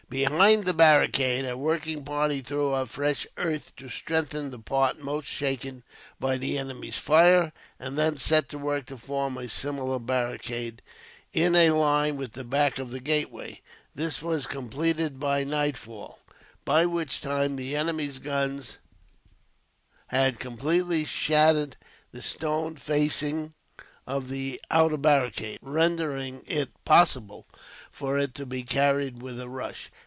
Behind the barricade, a working party threw up fresh earth, to strengthen the part most shaken by the enemy's fire, and then set to work to form a similar barricade, in a line with the back of the gateway. This was completed by nightfall, by which time the enemy's guns had completely shattered the stone facing of the outer barricade, rendering it possible for it to be carried with a rush.